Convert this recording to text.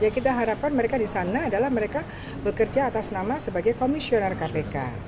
kita harapkan mereka di sana adalah mereka bekerja atas nama sebagai komisioner kpk